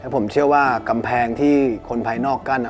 ผมเชื่อว่ากำแพงที่คนภายนอกกั้น